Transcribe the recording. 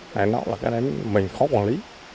đấy nó là cái này mình khó quản lý